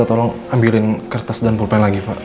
tolong ambilin kertas dan pulpen lagi pak